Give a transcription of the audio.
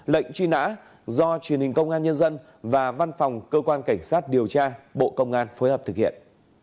lệnh truy nã do truyền hình công an nhân dân và văn phòng cơ quan cảnh sát điều tra bộ công an phối hợp thực hiện